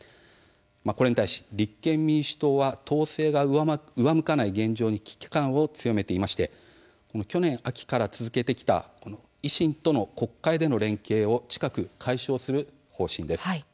これに対し、立憲民主党は党勢が上向かない現状に危機感を強めて去年、秋から続けてきた維新との国会での連携を近く解消する方針です。